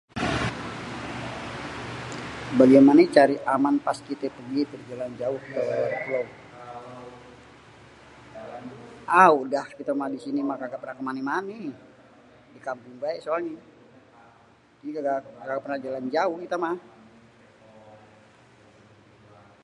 """Bagemane care aman pas kita pegi jalan jauh keluar?"" aauuuu dah karena di sini mah kagak pernah kemané-mané, dikampung baé soalnya. Jadi kagak pernah jalan jauh kita mah. "